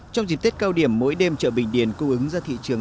trong dịp tết cao điểm mỗi đêm chợ bình điền cung ứng ra thị trường